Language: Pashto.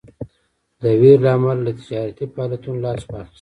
د ویرې له امله له تجارتي فعالیتونو لاس واخیست.